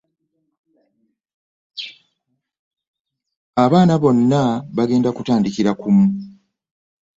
Abaana bonna bagenda kutandikira kumu.